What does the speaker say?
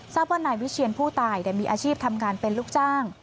ทราบว่านายวิเชียนผู้ตายมีอาชีพทำงานเป็นลูกจ้าง